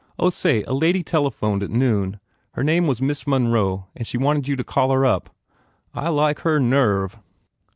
Oh, say, a lady telephoned s noon. Her name was Miss Monroe and she wanted you to call her up." "I like her nerve